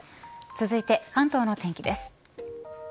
続いて関東の天気です。